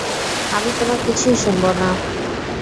আমি তোমার কিছুই শুনবো না।